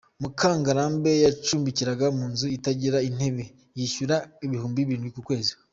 Mukangarambe yacumbikaga mu nzu itagira intebe yishyura ibihumbi birindwi ku kwezi.